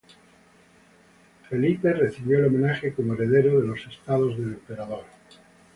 Felipe recibió el homenaje como heredero de los estados del emperador.